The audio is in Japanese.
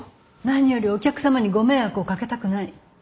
何よりお客様にご迷惑をかけたくない。